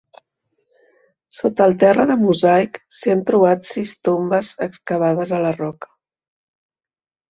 Sota el terra de mosaic s'hi han trobat sis tombes excavades a la roca.